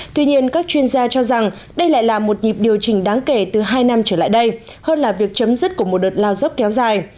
tuy nhiên các chuyên gia cho rằng đây lại là một nhịp điều chỉnh đáng kể từ hai năm trở lại đây hơn là việc chấm dứt của một đợt lao dốc kéo dài